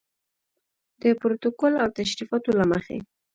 د پروتوکول او تشریفاتو له مخې.